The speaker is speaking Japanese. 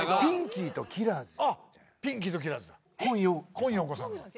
今陽子さん。